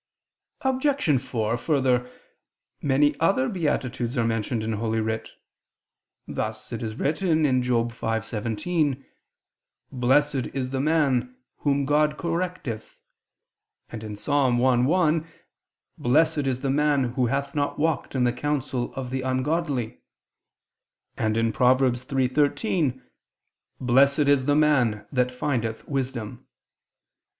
Obj. 4: Further, many other beatitudes are mentioned in Holy Writ. Thus, it is written (Job 5:17): "Blessed is the man whom God correcteth"; and (Ps. i, 1): "Blessed is the man who hath not walked in the counsel of the ungodly"; and (Prov. 3:13): "Blessed is the man that findeth wisdom."